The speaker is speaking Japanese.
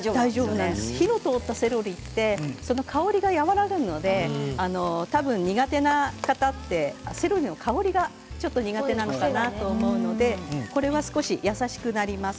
火が通ったセロリは香りが和らぐので多分、苦手な方はセロリの香りがちょっと苦手なのかなと思うのでこれは少し優しくなります。